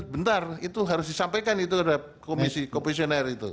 bentar itu harus disampaikan itu terhadap komisi komisioner itu